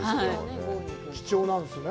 貴重なんですね。